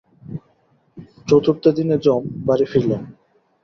চতুর্থ দিনে যম বাড়ী ফিরিলেন।